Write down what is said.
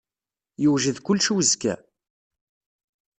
Yewjed kullec i uzekka?